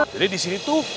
jadi disini tuh